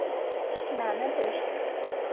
Нанэ дэщт.